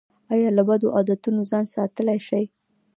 ایا له بدو عادتونو ځان ساتلی شئ؟